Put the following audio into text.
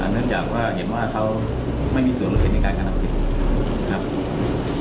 เนื่องจากเห็นว่าเขาไม่มีส่วนละเอียดในการการดับจิต